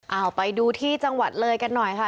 เอาไปดูที่จังหวัดเลยกันหน่อยค่ะ